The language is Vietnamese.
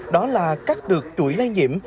đó là cắt được chuỗi lai nhiễm